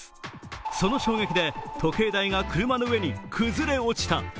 その衝撃で時計台が車の上に崩れ落ちた。